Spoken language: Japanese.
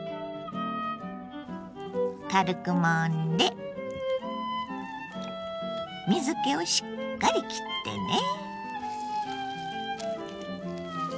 軽くもんで水けをしっかりきってね。